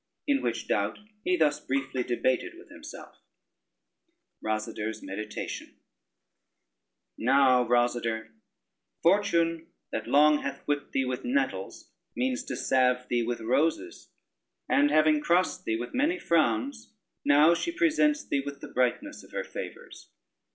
In which doubt he thus briefly debated with himself: [Footnote 1: windings.] ROSADER'S MEDITATION "Now, Rosader, fortune that long hath whipped thee with nettles, means to salve thee with roses, and having crossed thee with many frowns, now she presents thee with the brightness of her favors.